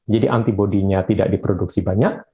jadi antibodinya tidak diproduksi banyak